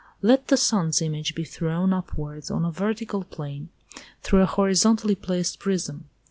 Let the sun's image be thrown upwards on a vertical plane, through a horizontally placed prism.